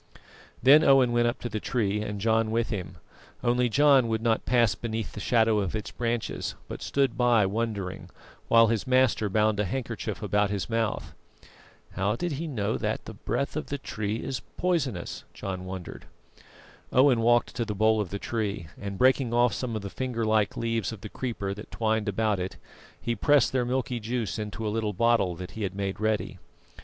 Then Owen went up to the tree and John with him, only John would not pass beneath the shadow of its branches; but stood by wondering, while his master bound a handkerchief about his mouth. "How did he know that the breath of the tree is poisonous?" John wondered. Owen walked to the bole of the tree, and breaking off some of the finger like leaves of the creeper that twined about it, he pressed their milky juice into a little bottle that he had made ready.